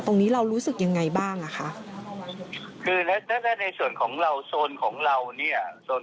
ตรงนี้เรารู้สึกยังไงบ้างอ่ะค่ะคือในส่วนของเราโซนของเราเนี่ย